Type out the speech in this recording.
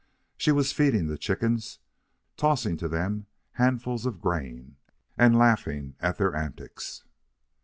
She was feeding the chickens, tossing to them handfuls of grain and laughing at their antics.